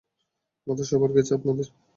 মাথা সবার গেছে আপনাদের?